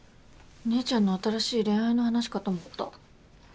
姉ちゃんの新しい恋愛の話かと思った。